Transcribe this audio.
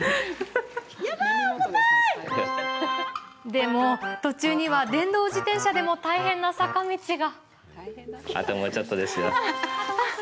でも途中には電動自転車でも大変な坂道が。